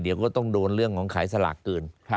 เดี๋ยวก็ต้องโดนเรื่องของขายสลากเกิน